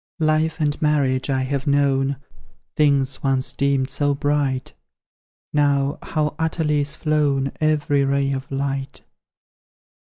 Life and marriage I have known. Things once deemed so bright; Now, how utterly is flown Every ray of light!